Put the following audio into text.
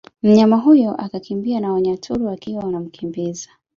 Mnyama huyo akakimbia na Wanyaturu wakiwa wanamkimbiza